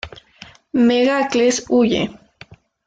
Megacles huye.